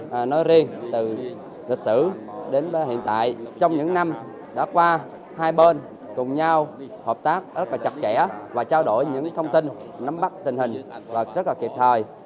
tại nơi riêng từ lịch sử đến hiện tại trong những năm đã qua hai bên cùng nhau hợp tác rất chặt chẽ và trao đổi những thông tin nắm bắt tình hình và rất kịp thời